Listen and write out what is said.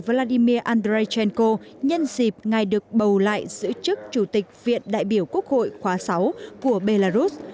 vladimir andreychenko nhân dịp ngày được bầu lại giữ chức chủ tịch viện đại biểu quốc hội khóa sáu của belarus